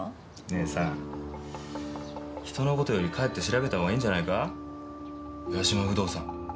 姉さん人のことより帰って調べたほうがいいんじゃないか矢島不動産